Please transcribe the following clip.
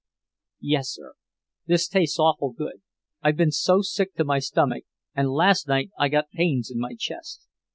"Yes, sir. This tastes awful good. I've been so sick to my stomach, and last night I got pains in my chest.